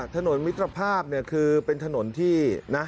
ถนนมิตรภาพคือเป็นถนนที่